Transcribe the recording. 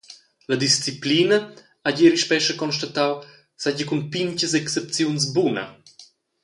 La disciplina, ha Gieri Spescha constatau, seigi cun pintgas excepziuns buna.